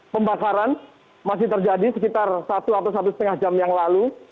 pembakaran masih terjadi sekitar satu atau satu setengah jam yang lalu